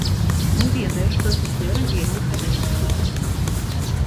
Не ведае, што афіцэры вельмі хацелі прыйсці.